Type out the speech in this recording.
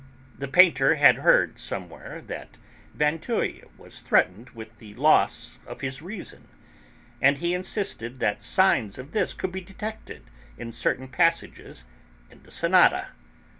The painter had heard, somewhere, that Vinteuil was threatened with the loss of his reason. And he insisted that signs of this could be detected in certain passages in the sonata.